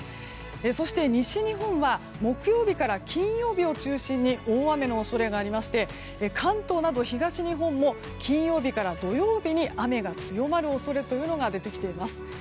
そして西日本は木曜日から金曜日を中心に大雨の恐れがありまして関東など東日本も金曜日から土曜日に雨が強まる恐れが出てきています。